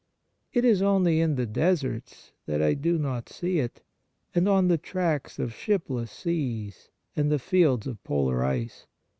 It is only in the deserts that I do not see it, and on the tracts of shipless seas, and the fields of polar ice.